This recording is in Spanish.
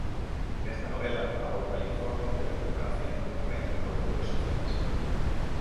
En esta novela, aborda el informe entre democracia, Internet y coberturas sociales.